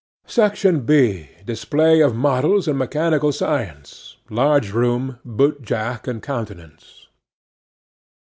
'SECTION B.—DISPLAY OF MODELS AND MECHANICAL SCIENCE. LARGE ROOM, BOOT JACK AND COUNTENANCE.